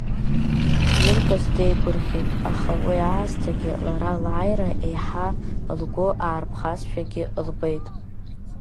Илкыз деигәырӷьеит, аха уи аасҭагьы лара лааира еиҳа лгәы аарԥхазшәагьы лбеит.